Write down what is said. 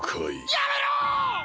やめろ！